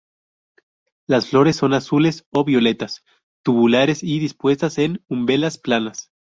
Las flores son azules o violetas, tubulares y dispuestas en umbelas planas.